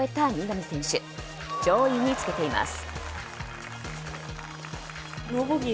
上位につけています。